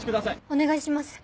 お願いします。